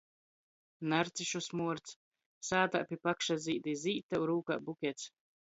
Narcišu smuords. Sātā pi pakša zīd i zīd tev rūkā bukets.